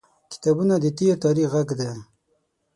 • کتابونه د تیر تاریخ غږ دی.